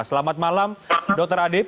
selamat malam dr adib